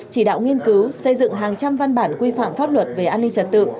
chỉ đạo nghiên cứu xây dựng hàng trăm văn bản quy phạm pháp luật về an ninh trật tự